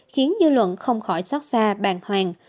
khiến dư luận không khỏi xót xa bàn hoàng